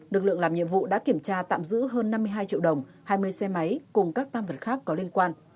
lực lượng làm nhiệm vụ đã kiểm tra tạm giữ hơn năm mươi hai triệu đồng hai mươi xe máy cùng các tam vật khác có liên quan